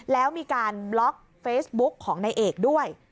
แล้วมีการบล็อกเฟซบุ๊กของนายเอกด้วย